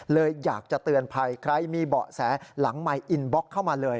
เลยอยากจะเตือนภัยใครมีเบาะแสหลังไมค์อินบล็อกเข้ามาเลย